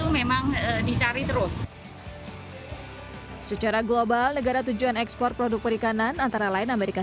memang dicari terus secara global negara tujuan ekspor produk perikanan antara lain amerika